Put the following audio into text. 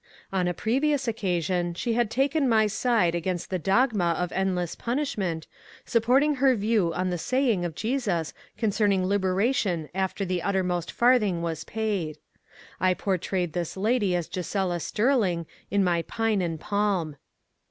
On a previous occasion she had taken my side against the dogma of endless punishment, supporting her view on the saying of Jesus concerning liberation after the uttermost farthing was paid. I portrayed this lady as Gisela Stirling in my " Pine and Pahn."